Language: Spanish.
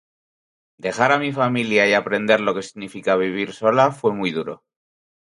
Dejar a mi familia y aprender lo que significa vivir sola fue muy duro.